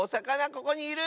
ここにいる！